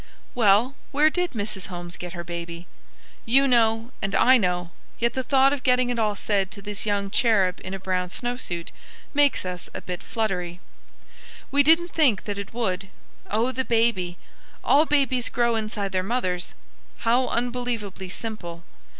Well, where did Mrs. Holmes get her baby? You know and I know, yet the thought of getting it all said to this young cherub in a brown snowsuit makes us a bit fluttery. We didn't think that it would. "Oh, the baby. All babies grow inside their mothers." How unbelievably simple!